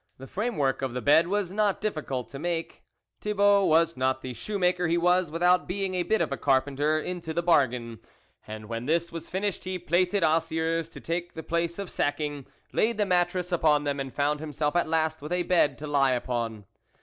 The framework of the bed was not difficult to make ; Thi bault was not the shoe maker he was without being a bit of a carpenter in to the bargain, and when this was finished he plaited osiers to take the place of sacking, laid the mattress upon them, and found himself at last with a bed to lie upon.